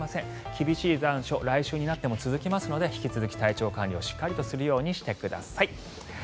厳しい残暑来週になっても続きますので引き続き体調管理をしっかりとするようにしてください。